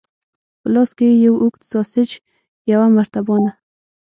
په لاس کې یې یو اوږد ساسیج، یوه مرتبانه.